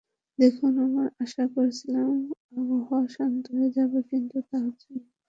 দেখুন, আমরা আশা করছিলাম আবহাওয়া শান্ত হয়ে যাবে, কিন্তু তা হচ্ছে না।